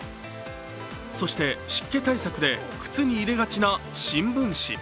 そして湿気対策で靴に入れがちな新聞紙。